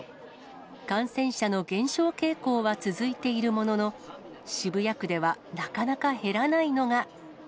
感染者の減少傾向は続いているものの、渋谷区ではなかなか減らないのが。